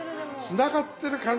つながってる感じ。